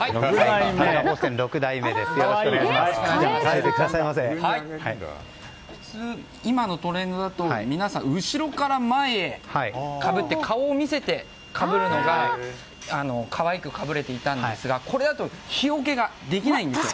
田中帽子店の６代目の今のトレンドだと皆さん、後ろから前へかぶって顔を見せてかぶるのが可愛くかぶれていたんですがこれだと日よけができないんですよ。